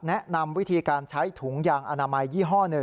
แนะนำวิธีการใช้ถุงยางอนามัยยี่ห้อ๑